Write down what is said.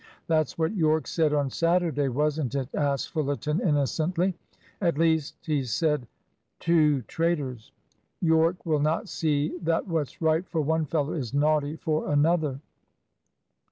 "That's what Yorke said on Saturday, wasn't it?" asked Fullerton innocently, "At least, he said two traitors. Yorke will not see that what's right for one fellow is naughty for another."